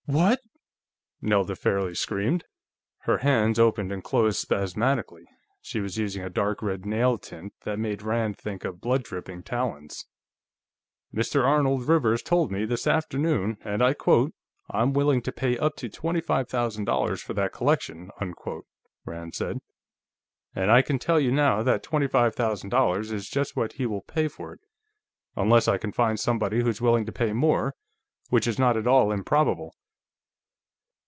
"What?" Nelda fairly screamed. Her hands opened and closed spasmodically: she was using a dark red nail tint that made Rand think of blood dripping talons. "Mr. Arnold Rivers told me, this afternoon, and I quote: I'm willing to pay up to twenty five thousand dollars for that collection, unquote," Rand said. "And I can tell you now that twenty five thousand dollars is just what he will pay for it, unless I can find somebody who's willing to pay more, which is not at all improbable."